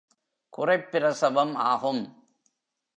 குறைப் பிரசவம் ஆகும்.